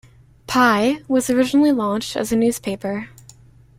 "Pi" was originally launched as a newspaper.